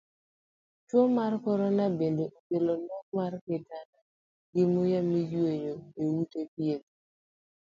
Tuo mar korona bende kelo nok mar otanda gi muya miyueyo e ute dhieth